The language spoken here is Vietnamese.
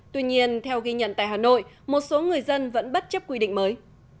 tuy nhiên theo ghi nhận tại hà nội một số người dân vẫn bất chấp quy định mới